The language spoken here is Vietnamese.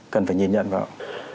cần phải nhìn nhận vào